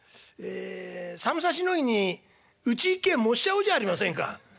ええ寒さしのぎにうち一軒燃しちゃおうじゃありませんか」。